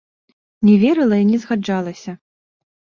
Не верыла і не згаджалася!